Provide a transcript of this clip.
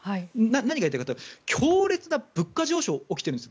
何が言いたいかというと強烈な物価上昇が起きてるんです。